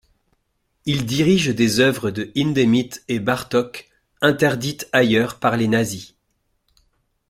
Il dirige des œuvres de Hindemith et Bartók, interdites ailleurs par les nazis.